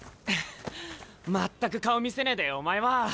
全く顔見せねえでお前は！